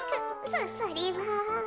そそれは。